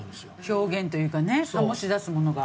表現というかね醸し出すものが。